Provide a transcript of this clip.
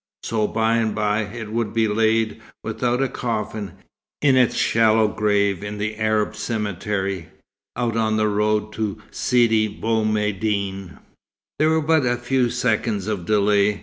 So, by and by, it would be laid, without a coffin, in its shallow grave in the Arab cemetery, out on the road to Sidi Bou Medine. There were but a few seconds of delay.